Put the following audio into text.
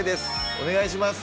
お願いします